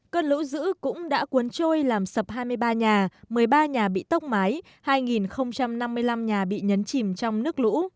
cơn lũ dữ cũng đã cuốn trôi làm sập hai mươi ba nhà một mươi ba nhà bị tốc mái hai năm mươi năm nhà bị nhấn chìm trong nước lũ